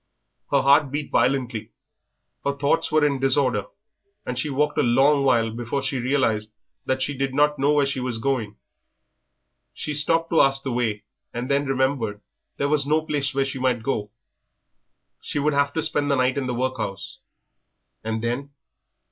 Her heart beat violently, her thoughts were in disorder, and she walked a long while before she realised that she did not know where she was going. She stopped to ask the way, and then remembered there was no place where she might go. She would have to spend the night in the workhouse, and then?